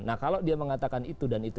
nah kalau dia mengatakan itu dan itu